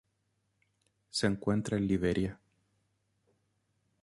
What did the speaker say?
Se encuentra en Liberia.